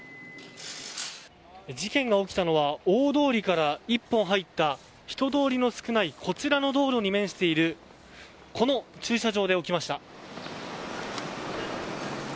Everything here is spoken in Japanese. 事件が起きたのは大通りから１本入った人通りの少ないこちらの道路に面しているこの駐車場で起きました。